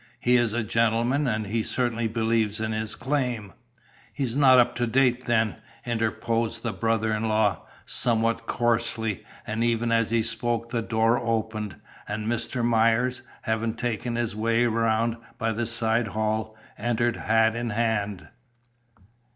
He is a gentleman, and he certainly believes in his claim." "He's not up to date, then," interposed the brother in law, somewhat coarsely, and even as he spoke the door opened, and Mr. Myers, having taken his way around by the side hall, entered, hat in hand.